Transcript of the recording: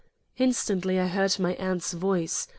Instantly, I heard my aunt's voice.